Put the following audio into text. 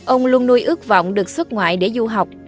ông luôn nuôi ước vọng được xuất ngoại để du học